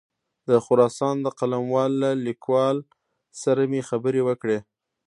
د خراسان د قلموال له لیکوال سره مې خبرې وکړې.